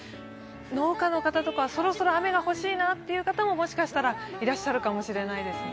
農家の方とか、そろそろ雨が欲しいなという方ももしかしたらいらっしゃるかもしれないですね。